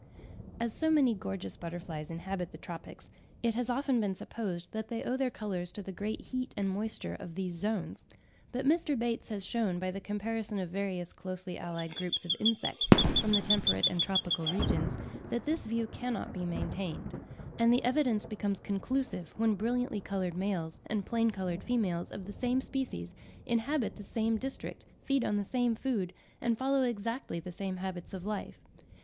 As so many gorgeous butterflies inhabit the tropics, it has often been supposed that they owe their colours to the great heat and moisture of these zones; but Mr. Bates (6. 'The Naturalist on the Amazons,' vol. i. 1863, p. 19.) has shown by the comparison of various closely allied groups of insects from the temperate and tropical regions, that this view cannot be maintained; and the evidence becomes conclusive when brilliantly coloured males and plain coloured females of the same species inhabit the same district, feed on the same food, and follow exactly the same habits of life.